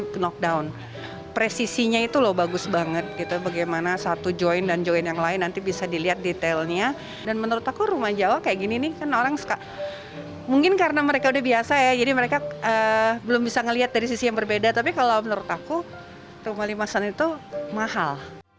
belum bisa melihat dari sisi yang berbeda tapi kalau menurut aku rumah limasan itu mahal